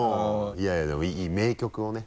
いやいやでもいい名曲をね